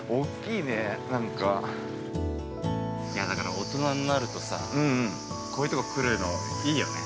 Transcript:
◆いや、だから、大人になるとさこういうとこ来るの、いいよね。